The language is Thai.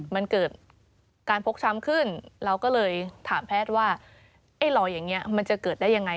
มันเกิดการพกช้ำขึ้นเราก็เลยถามแพทย์ว่าไอ้รอยอย่างนี้มันจะเกิดได้ยังไง